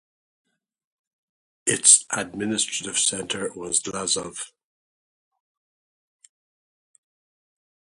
Its administrative centre was Glazov.